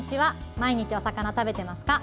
毎日お魚食べてますか？